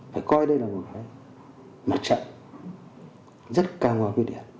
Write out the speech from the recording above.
phải coi đây là một cái mặt trận rất cao ngon với điện